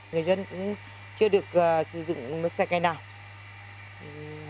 người dân cũng chưa được sử dụng nước sạch ngày nào